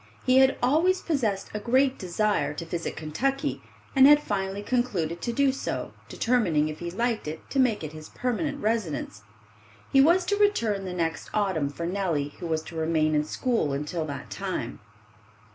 He had always possessed a great desire to visit Kentucky, and had finally concluded to do so, determining if he liked it to make it his permanent residence. He was to return the next autumn for Nellie, who was to remain in school until that time.